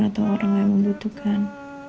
atau orang yang membutuhkan